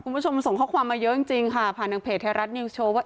คุณผู้ชมส่งข้อความมาเยอะจริงค่ะผ่านทางเพจไทยรัฐนิวส์โชว์ว่า